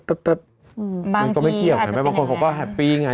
บางทีก็ไม่เที่ยวบางคนคงก็แห้ปปี้ไง